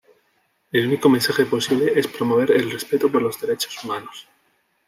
El único mensaje posible es promover el respeto por los Derechos Humanos.